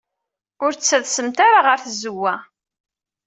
Ur ttadsemt ara ɣer tzewwa.